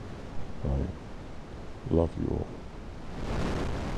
I love you all.